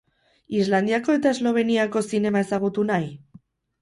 Islandiako eta Esloveniako zinema ezagutu nahi?